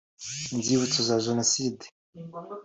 inzibutso za jenoside